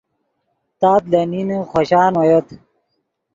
تات لے نین خوشان اویت